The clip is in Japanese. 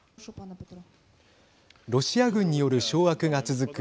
ロシア軍による掌握が続く